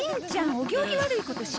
お行儀悪いことしないの！